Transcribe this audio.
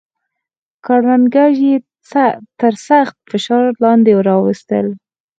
کروندګر یې تر سخت فشار لاندې راوستل.